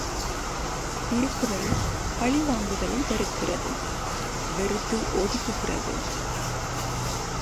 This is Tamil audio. திருக்குறள் பழிவாங்குதலை வெறுக்கிறது வெறுத்து ஒதுக்குகிறது.